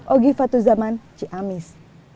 ogi fatuzaman ciamis